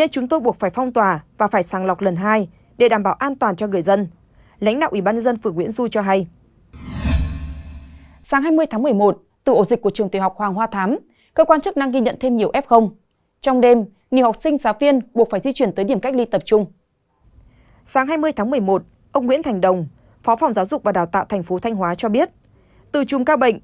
sáng hai mươi tháng một mươi một ông nguyễn thành đồng phó phòng giáo dục và đào tạo tp thanh hóa cho biết từ chùm ca bệnh